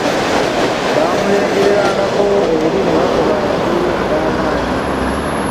Baamulengererangako eri ne bakuba endulu ey'amanyi.